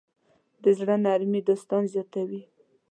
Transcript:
د زړۀ نرمي دوستان زیاتوي.